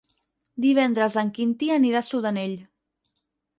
Divendres en Quintí anirà a Sudanell.